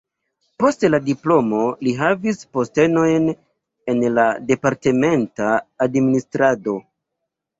Post la diplomo li havis postenojn en la departementa administrado.